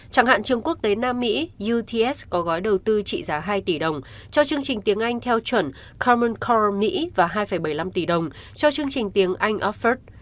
chẳng hạn trường quốc tế nam mỹ uts có gói đầu tư trị giá hai tỷ đồng cho chương trình tiếng anh theo chuẩn common corum mỹ và hai bảy mươi năm tỷ đồng cho chương trình tiếng anh offerd